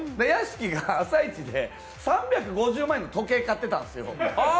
屋敷が朝イチで３５０万円の時計買ってたんですよ。